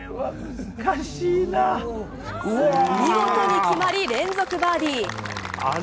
見事に決まり連続バーディー！